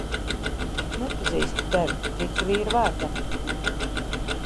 Nepazīstu tevi, ticu vīra vārdam.